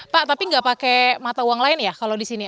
pak tapi nggak pakai mata uang lain ya kalau di sini